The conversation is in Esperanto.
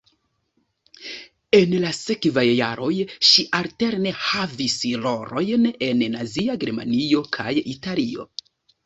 En la sekvaj jaroj ŝi alterne havis rolojn en nazia Germanio kaj Italio.